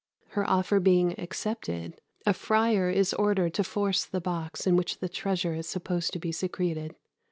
Her offer being accepted, a friar is ordered to force the box in which the treasure is supposed to be secreted.